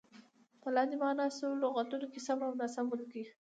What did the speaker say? په لاندې معنا شوو لغتونو کې سم او ناسم ولیکئ.